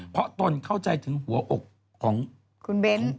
เพราะตนเข้าใจถึงหัวอกของคุณเบ้น